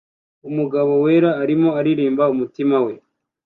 Umugabo wera arimo aririmba umutima we